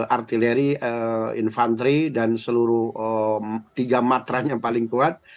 artileri infanteri dan seluruh tiga matrah yang paling kuat